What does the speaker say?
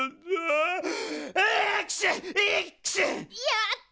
やった！